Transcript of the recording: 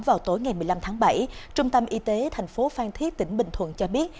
vào tối ngày một mươi năm tháng bảy trung tâm y tế thành phố phan thiết tỉnh bình thuận cho biết